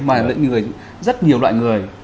mà là những người rất nhiều loại người